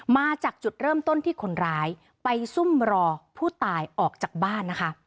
มาจากจุดเริ่มต้นที่คนร้ายไปซุ่มรอผู้ตายออกจากบ้านนะคะ